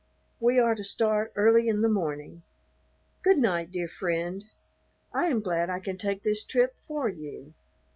We are to start early in the morning. Good night, dear friend. I am glad I can take this trip for you.